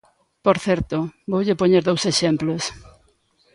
Por certo, voulle poñer dous exemplos.